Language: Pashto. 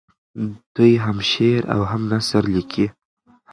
دی هم شعر او هم نثر لیکي.